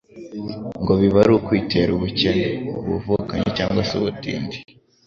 ngo biba ari ukwitera ubukene (ubuvukanyi cyangwa se ubutindi )